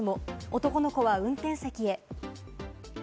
男の子は運転席へ。